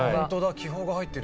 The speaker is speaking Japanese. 気泡が入ってる。